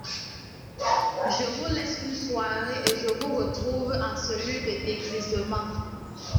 Je vous laisse une soirée et je vous retrouve en cellule de dégrisement !